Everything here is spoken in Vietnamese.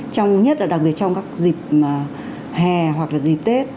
trong nhất là đặc biệt trong các dịp hè hoặc là dịp tết